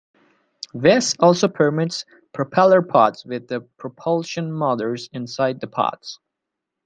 This also permits propeller pods with the propulsion motors inside the pods.